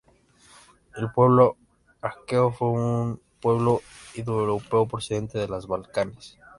El pueblo aqueo fue un pueblo indoeuropeo procedente de los Balcanes.